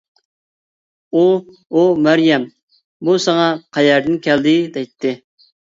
ئۇ «ئۇ مەريەم بۇ ساڭا قەيەردىن كەلدى؟ » دەيتتى.